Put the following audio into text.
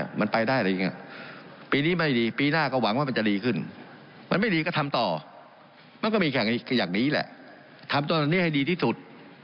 ทำตัวนี้ให้ดีที่สุดหลายคนบอกยังไม่ดีที่สุด